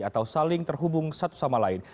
atau saling terhubung satu sama lain